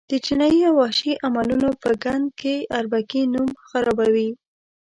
د جنایي او وحشي عملونو په ګند کې اربکي نوم خرابوي.